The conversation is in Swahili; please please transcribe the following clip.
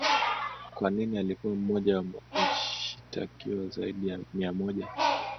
Kwa nini alikuwa mmoja wa washitakiwa zaidi ya Mia moja